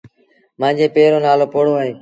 مآݩجي پي رو نآلو پوهوڙو اهي۔